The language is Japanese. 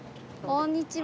こんにちは。